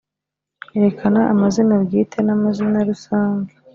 Erekana amazina bwite n’amazina rusange